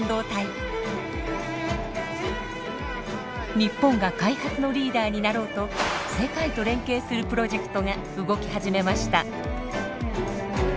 日本が開発のリーダーになろうと世界と連携するプロジェクトが動き始めました。